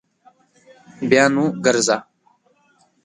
بیا نو ګرځه